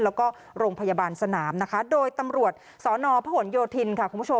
แล้วก็โรงพยาบาลสนามนะคะโดยตำรวจสอนอพหลโยธินค่ะ